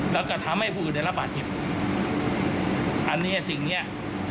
แล้วก็ทำให้ผู้อื่นได้รับบาดเจ็บอันเนี้ยสิ่งเนี้ย